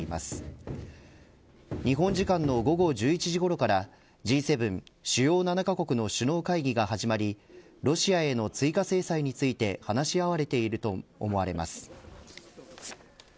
日本時間の午後１１時ごろからＧ７主要７カ国の首脳会議が始まりロシアへの追加制裁について話し合われていると思われます。